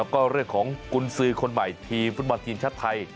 ก็เรื่องของกุญสือคนใหม่ทีมฟุตบอลทีมชาติไทย